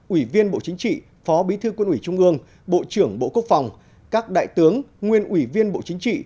ủy viên bộ chính trị phó bí thư quân ủy trung ương bộ trưởng bộ quốc phòng các đại tướng nguyên ủy viên bộ chính trị